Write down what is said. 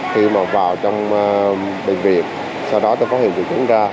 thì mà vào trong bệnh viện sau đó tôi phó hiệu triệu chứng ra